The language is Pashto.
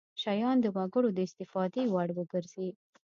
شیان د وګړو د استفادې وړ وګرځي.